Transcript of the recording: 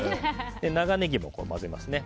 長ネギも混ぜますね。